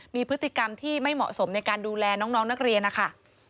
มีพฤติกรรมที่ไม่เหมาะสมในการดูแลน้องนักเรียนนะคะ